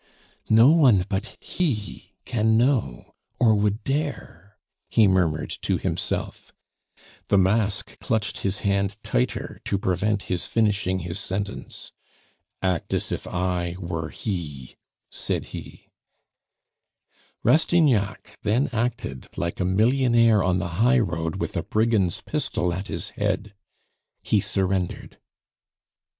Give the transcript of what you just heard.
"No one but HE can know or would dare " he murmured to himself. The mask clutched his hand tighter to prevent his finishing his sentence. "Act as if I were he," he said. Rastignac then acted like a millionaire on the highroad with a brigand's pistol at his head; he surrendered.